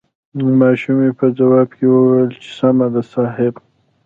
ماشومې په ځواب کې وويل چې سمه ده صاحب.